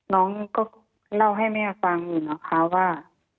น้องก็เล่าให้แม่ฟังอยู่นะคะว่า